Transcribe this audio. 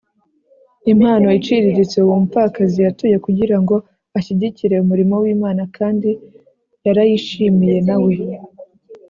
impano iciriritse uwo mupfakazi yatuye kugira ngo ashyigikire umurimo w Imana kandi yarayishimiye Nawe